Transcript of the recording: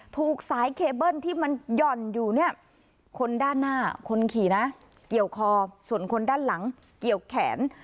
ถูกสายเคเบิ้ลที่มันหย่อนอยู่เนี่ยคนด้านหน้าคนขี่นะเกี่ยวคอส่วนคนด้านหลังเกี่ยวแขน